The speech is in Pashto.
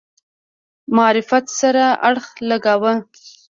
معرفت سره اړخ لګاوه.